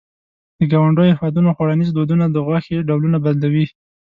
د ګاونډیو هېوادونو خوړنيز دودونه د غوښې ډولونه بدلوي.